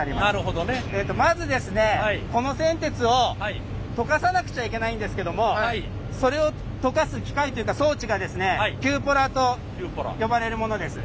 この銑鉄を溶かさなくちゃいけないんですけどもそれを溶かす機械というか装置がキューポラと呼ばれるものです。